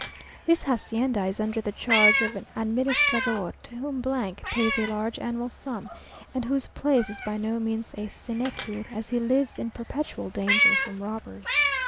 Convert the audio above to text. This hacienda is under the charge of an administrador, to whom pays a large annual sum, and whose place is by no means a sinecure, as he lives in perpetual danger from robbers.